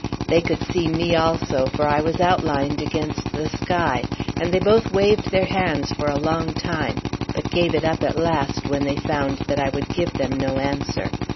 They could see me also, for I was outlined against the sky, and they both waved their hands for a long time, but gave it up at last when they found that I would give them no answer.